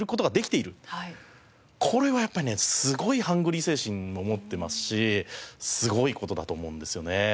これはやっぱりねすごいハングリー精神を持ってますしすごい事だと思うんですよね。